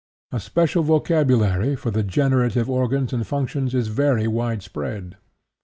A special vocabulary for the generative organs and functions is very widespread.